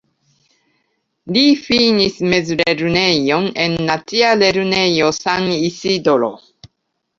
Li finis mezlernejon en Nacia Lernejo San Isidro.